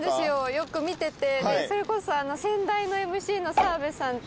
よく見ててそれこそ先代のＭＣの澤部さんと。